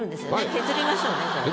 削りましょうねこれね。